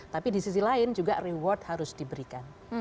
tapi di sisi lain juga reward harus diberikan